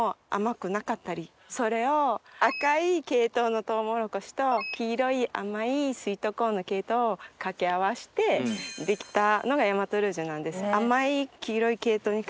それを赤い系統のとうもろこしと黄色い甘いスイートコーンの系統を掛け合わしてできたのが大和ルージュなんです。